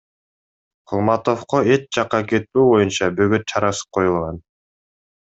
Кулматовго эч жакка кетпөө боюнча бөгөт чарасы коюлган.